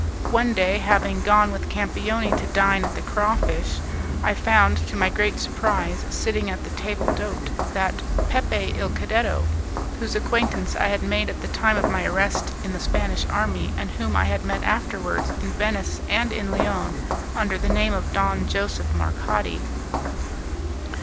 One day, having gone with Campioni to dine at "The Crawfish," I found, to my great surprise, sitting at the table d'hote, that Pepe il Cadetto, whose acquaintance I had made at the time of my arrest in the Spanish army, and whom I had met afterwards in Venice and in Lyons, under the name of Don Joseph Marcati.